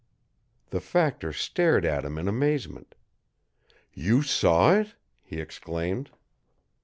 The factor stared at him in amazement. "You saw it?" he exclaimed.